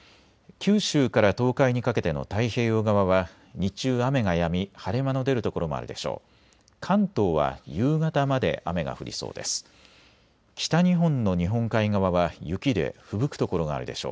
九州から東海にかけての太平洋側は日中は雨がやみ晴れ間の出る所もあるでしょう。